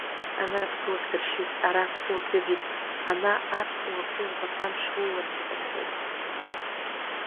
Ана аԥсыуак дыршьит, ара аԥсыуак дыӡит, ана аԥсыуа ԥҳәызбак амш лыларгеит, рҳәоит.